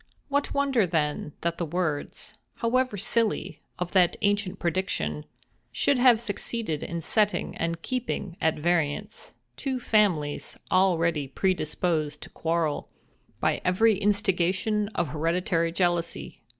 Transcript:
What wonder then, that the words, however silly, of that prediction, should have succeeded in setting and keeping at variance two families already predisposed to quarrel by every instigation of hereditary jealousy?